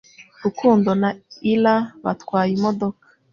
rukundo na Ira batwaye imodoka